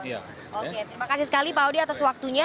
oke terima kasih sekali pak audi atas waktunya